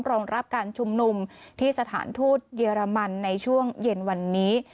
รองรับการชุมนุมที่สถานทูตเยอรมันในช่วงเย็นวันนี้